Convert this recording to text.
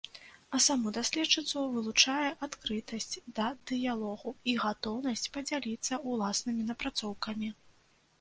А саму даследчыцу вылучае адкрытасць да дыялогу і гатоўнасць падзяліцца ўласнымі напрацоўкамі.